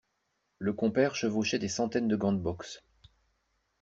Le compère chevauchait des centaines de gants de boxe.